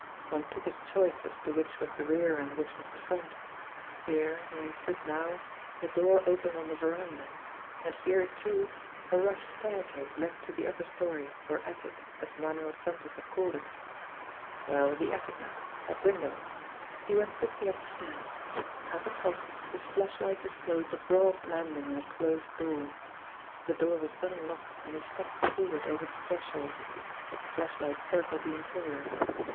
One took his choice as to which was the rear and which was the front. Here, where he stood now, a door opened on the verandah ; and here, too, a rough staircase led to the upper story, or attic, as Manued Santos had called it. Well, the attic now ! That window ! He went quickly up the stairs. At the top, his flashlight disclosed a broad landing and a closed door. The door was unlocked, and he stepped forward over the threshold. The flashlight circled the in terior.